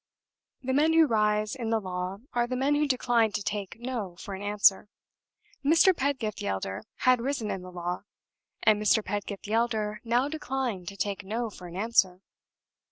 The men who rise in the law are the men who decline to take No for an answer. Mr. Pedgift the elder had risen in the law; and Mr. Pedgift the elder now declined to take No for an answer.